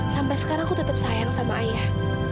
sampai sekarang aku tetap sayang sama ayah